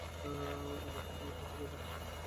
উনাকে দিয়ে হবে না।